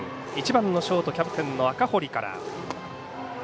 １番ショート、キャプテンの赤堀から。